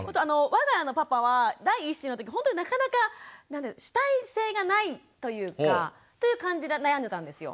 我が家のパパは第１子のときほんとになかなか主体性がないというかという感じで悩んでたんですよ。